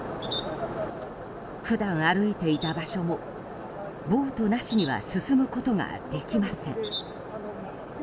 普段、歩いていた場所もボートなしには進むことができません。